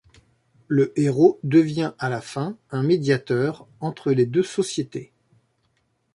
Le héros devient à la fin un médiateur entre les deux sociétés.